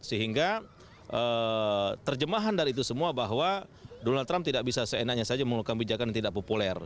sehingga terjemahan dari itu semua bahwa donald trump tidak bisa seenaknya saja mengeluarkan bijakan yang tidak populer